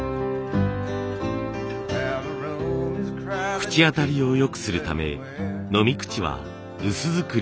口当たりを良くするため飲み口は薄作りに。